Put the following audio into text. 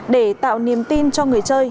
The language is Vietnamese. để tạo niềm tin cho người chơi